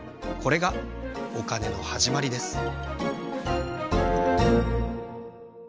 これがお金のはじまりです。